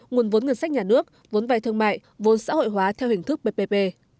nguồn vốn ngân sách nhà nước vốn vay thương mại vốn xã hội hóa theo hình thức ppp